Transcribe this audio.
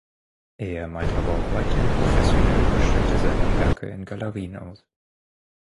Er malte aber auch weiterhin professionell und stellte seine Werke in Galerien aus.